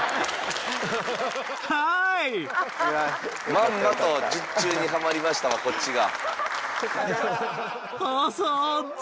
まんまと術中にハマりましたわこっちが。